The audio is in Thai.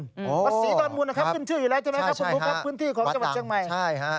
วัดศรีดอนมูลนะครับขึ้นชื่ออยู่แล้วใช่ไหมครับคุณบุ๊คครับพื้นที่ของจังหวัดเชียงใหม่ใช่ฮะ